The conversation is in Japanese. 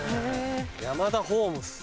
ヤマダホームズ。